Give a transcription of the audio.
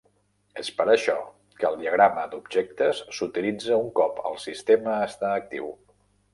És per això que el diagrama d’objectes s’utilitza un cop el sistema està actiu.